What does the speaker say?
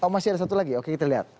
masih ada satu lagi oke kita lihat